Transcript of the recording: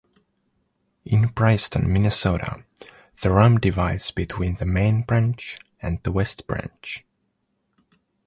In Princeton, Minnesota, the Rum divides between the Main Branch and the West Branch.